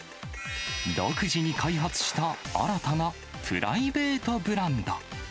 独自に開発した新たなプライベートブランド。